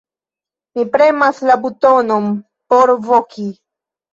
Mi premas la butonon por voki.